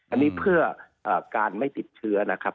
อันนี้เพื่อการไม่ติดเชื้อนะครับ